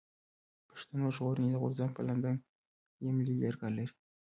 پښتون ژغورني غورځنګ په لندن کي ملي جرګه لري.